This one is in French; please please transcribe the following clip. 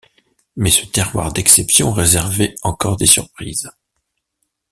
Mais ce terroir d'exception réservait encore des surprises.